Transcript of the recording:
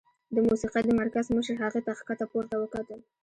د موسيقۍ د مرکز مشر هغې ته ښکته پورته وکتل.